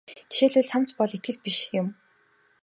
Жишээлбэл цамц бол итгэл биш юм.